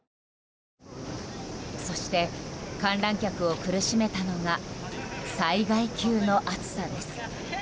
そして、観覧客を苦しめたのが災害級の暑さです。